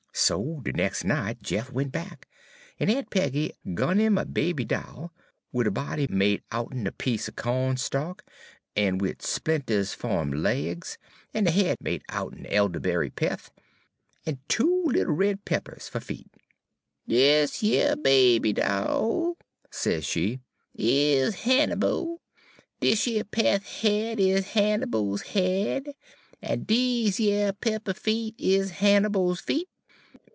"So de nex' night Jeff went back, en Aun' Peggy gun 'im a baby doll, wid a body made out'n a piece er co'n stalk, en wid splinters fer a'ms en laigs, en a head made out'n elderberry peth, en two little red peppers fer feet. "'Dis yer baby doll,' sez she, 'is Hannibal. Dis yer peth head is Hannibal's head, en dese yer pepper feet is Hannibal's feet.